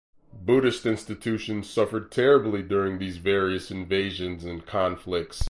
Buddhist institutions suffered terribly during these various invasions and conflicts.